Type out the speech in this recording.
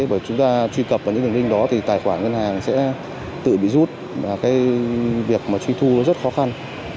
và truy cập vào những hình hình đó thì tài khoản ngân hàng sẽ tự bị rút và cái việc mà truy thu rất khó khăn